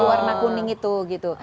warna kuning itu gitu